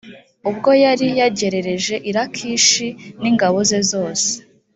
ubwo yari yagerereje i lakishi n ingabo ze zose